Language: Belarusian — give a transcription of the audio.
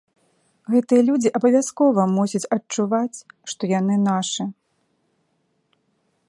Гэтыя людзі абавязкова мусяць адчуваць, што яны нашы.